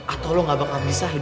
atau lo nggak bakal mencari kucing